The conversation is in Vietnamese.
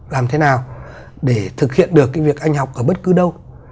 làm thế nào để thực hiện được cái việc anh học ở bất cứ đâu